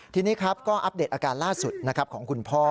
ทีนี้ครับก็อัปเดตอาการล่าสุดนะครับของคุณพ่อ